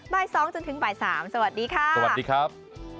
บ่าย๒จนถึงบ่าย๓สวัสดีค่ะสวัสดีครับ